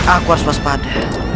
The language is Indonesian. aku harus waspada